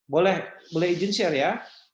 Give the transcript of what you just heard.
boleh boleh izin share ya